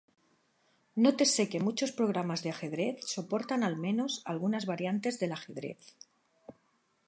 Nótese que muchos programas de ajedrez soportan al menos algunas variantes del ajedrez.